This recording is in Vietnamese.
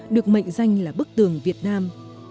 được mệnh danh là bức tường việt nam